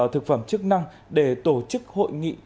thực phẩm chức năng để tổ chức hội nghị